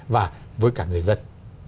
và với cả người dân